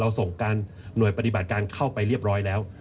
ส่งการหน่วยปฏิบัติการเข้าไปเรียบร้อยแล้ว